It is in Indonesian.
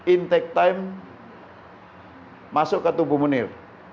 intake time masuk ke tubuh munir